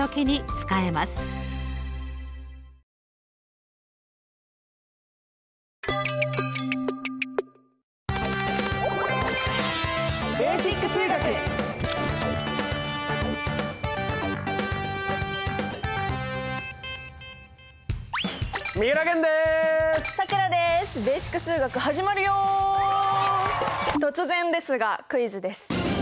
突然ですがクイズです。